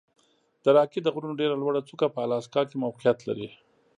د راکي د غرونو ډېره لوړه څوکه په الاسکا کې موقعیت لري.